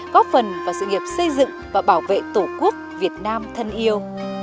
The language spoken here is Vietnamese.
góp phần vào sự nghiệp xây dựng và bảo vệ tổ quốc việt nam thân yêu